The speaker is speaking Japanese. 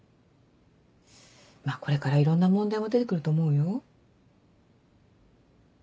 まぁこれからいろんな問題も出てくると思うよ。